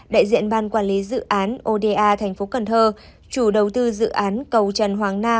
đại diện ban quản lý dự án oda tp cn chủ đầu tư dự án cầu trần hoàng na